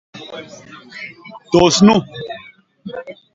Tôs nu.